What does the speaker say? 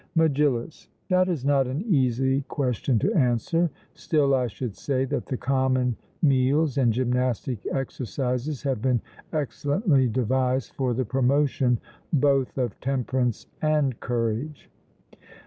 MEGILLUS: That is not an easy question to answer; still I should say that the common meals and gymnastic exercises have been excellently devised for the promotion both of temperance and courage.